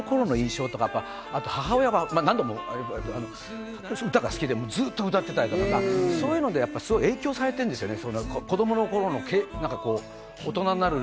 子どもの頃の印象というか、母親が歌が好きでずっと歌ってたりとか、そういうので影響されてるんですね。